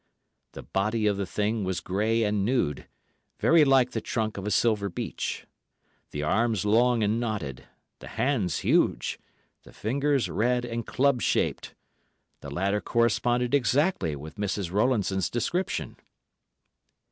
The body of the thing was grey and nude, very like the trunk of a silver beech, the arms long and knotted, the hands huge, the fingers red and club shaped. The latter corresponded exactly with Mrs. Rowlandson's description.